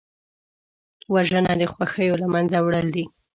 وژنه د خوښیو له منځه وړل دي